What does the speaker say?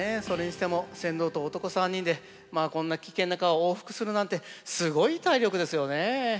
それにしても船頭と男３人でこんな危険な川を往復するなんてすごい体力ですよね。